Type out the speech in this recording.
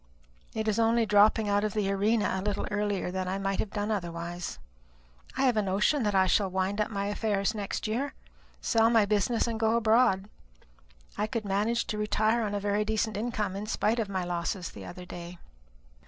It is only dropping out of the arena a little earlier than I might have done otherwise. I have a notion that I shall wind up my affairs next year, sell my business, and go abroad. I could manage to retire upon a very decent income, in spite of my losses the other day."